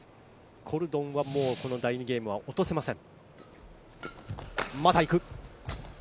コルドンは、もうこの第２ゲームは落とせません。